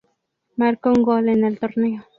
Marcó un gol en el torneo.